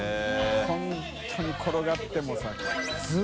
本当に転がってもさ困辰半